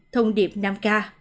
thông điệp năm k